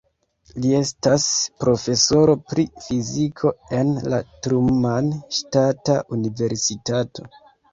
Li estas profesoro pri fiziko en la Truman Ŝtata Universitato.